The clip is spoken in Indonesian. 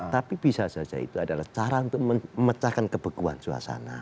tapi bisa saja itu adalah cara untuk memecahkan kebekuan suasana